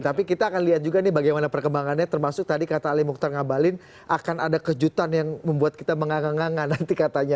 tapi kita akan lihat juga nih bagaimana perkembangannya termasuk tadi kata ali mukhtar ngabalin akan ada kejutan yang membuat kita menganga ngangah nanti katanya